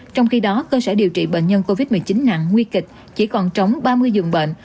trong khi đó cơ sở điều trị bệnh nhân covid một mươi chín nặng nguy kịch chỉ còn trống ba mươi giường bệnh